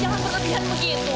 jangan berkelihat begitu